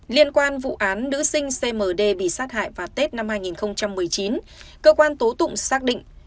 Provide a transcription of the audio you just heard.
liên quan vụ án nữ sinh cmd bị sát hại vào tết năm hai nghìn một mươi chín cơ quan tố tụng xác định